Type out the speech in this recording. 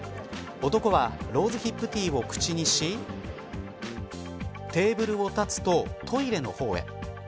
男はローズヒップティーを口にしテーブルを立つとトイレの方へ。